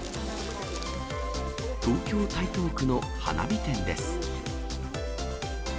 東京・台東区の花火店です。